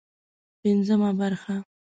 پنځمه برخه